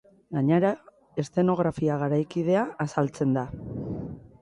Gainera, eszenografia garaikidea azaltzen da.